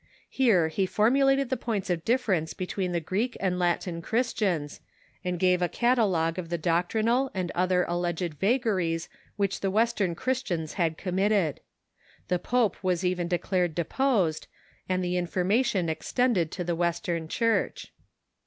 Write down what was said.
Here he formulated the points of difference between the Greek and Latin Christians, and gave a catalogue of the doctrinal and other alleged vagaries which the West ern Christians had committed. The pope was even declared deposed, and the information extended to the Western Church.